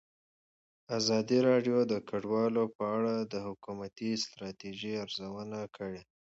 ازادي راډیو د کډوال په اړه د حکومتي ستراتیژۍ ارزونه کړې.